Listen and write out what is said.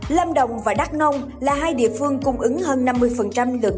lâm đồng và đắc nông là hai địa phương cung ứng hơn năm mươi được